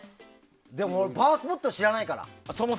でも俺パワースポット知らないから。